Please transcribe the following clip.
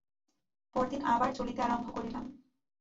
পরদিন আবার চলিতে আরম্ভ করিলাম।